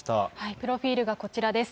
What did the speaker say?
プロフィールがこちらです。